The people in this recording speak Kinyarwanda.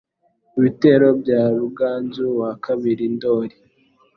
Ibitero bya Ruganzu wa kabi Ndoli